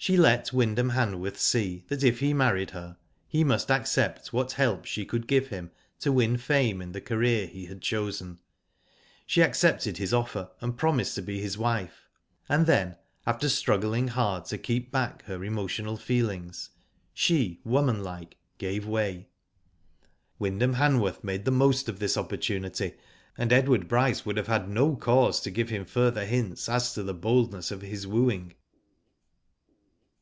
She let Wyndham Hanworth see that if he married her, he must accept what help she could give him to win fame in the career he had chosen. She accepted his offer, and promised to be his wife, and then after struggling hard to keep back her emotional feelings, she womanlike, gave way. Wyndham Hanworth made the most of this opportunity, and Edward Bryce would have found no cause to give him further hints as to the boldness of his wooing.